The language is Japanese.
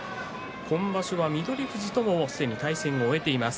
今場所は翠富士ともすでに対戦も終えています。